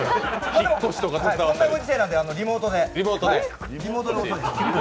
こんなご時世なんでリモートで。